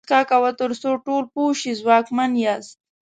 موسکا کوه تر څو ټول پوه شي ځواکمن یاست.